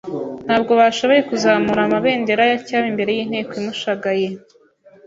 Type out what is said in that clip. Ntabwo bashoboye kuzamura amabendera ya cyami imbere y'inteko imushagaye,